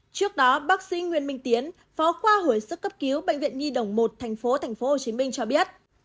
trước đó bác sĩ nguyễn minh tiến phó khoa hồi sức cấp cứu bệnh viện nhi đồng một tp hcm cho biết